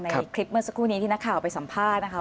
ในคลิปเมื่อสักครู่นี้ที่นักข่าวไปสัมภาษณ์นะคะ